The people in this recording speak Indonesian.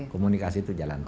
komunikasi itu jalan terus